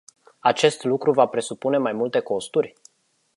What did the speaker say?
Acest lucru va presupune mai multe costuri?